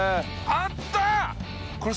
あった！